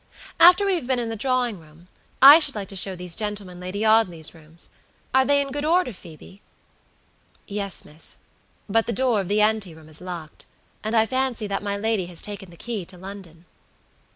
"After we have been in the drawing room, I should like to show these gentlemen Lady Audley's rooms. Are they in good order, Phoebe?" "Yes, miss; but the door of the anteroom is locked, and I fancy that my lady has taken the key to London."